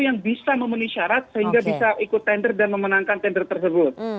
yang bisa memenuhi syarat sehingga bisa ikut tender dan memenangkan tender tersebut